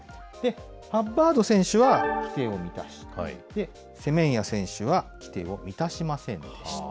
ハッバード選手は規定を満たしていて、セメンヤ選手は規定を満たしませんでした。